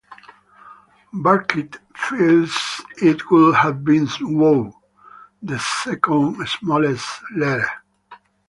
Burkitt feels it would have been waw, the second smallest letter.